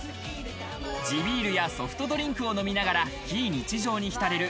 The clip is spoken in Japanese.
地ビールやソフトドリンクを飲みながら非日常に浸れる